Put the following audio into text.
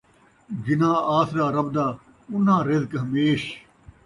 جنہاں آسرا رب دا، اُنہاں رزق ہمیش